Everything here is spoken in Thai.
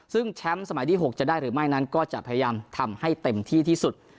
ซึ่งแชมป์สมัยที่๖จะได้หรือไม่นั้นก็จะพยายามทำให้เต็มที่ที่สุด